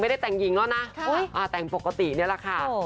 ได้แต่งหญิงแล้วนะแต่งปกตินี่แหละค่ะ